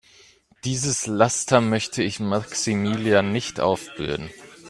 Dieses Laster möchte ich Maximilian nicht aufbürden.